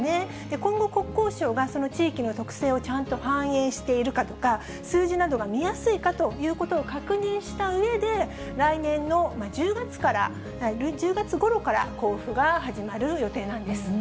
今後、国交省がその地域の特性をちゃんと反映しているかとか、数字などが見やすいかということを確認したうえで、来年の１０月ごろから交付が始まる予定なんです。